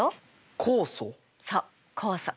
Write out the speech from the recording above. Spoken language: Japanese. そう酵素。